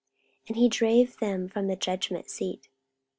44:018:016 And he drave them from the judgment seat.